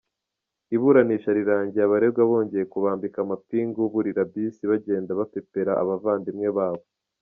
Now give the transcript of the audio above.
Iburanisha rirangiye abaregwa bongeye kubambika amapingu burira bus bagenda bapepera abavandimwe babo.